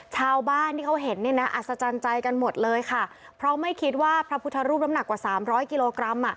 ชาวบ้านที่เขาเห็นเนี่ยนะอัศจรรย์ใจกันหมดเลยค่ะเพราะไม่คิดว่าพระพุทธรูปน้ำหนักกว่าสามร้อยกิโลกรัมอ่ะ